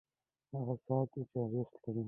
هغه څه ساتي چې ارزښت لري.